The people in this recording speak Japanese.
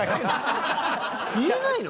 言えないの？